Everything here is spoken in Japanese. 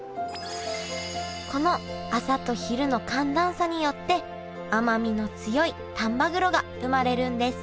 この朝と昼の寒暖差によって甘みの強い丹波黒が生まれるんです